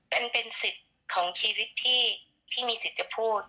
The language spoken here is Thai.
เป็นสิทธิ์ของชีวิตที่มีสิทธิ์จะพูด